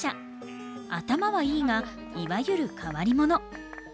頭はいいがいわゆる変わり者。